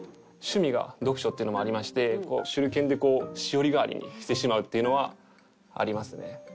趣味が読書っていうのもありまして手裏剣でこうしおり代わりにしてしまうっていうのはありますね。